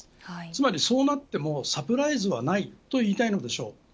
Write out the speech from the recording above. つまり、そうなってもサプライズはないと言いたいのでしょう。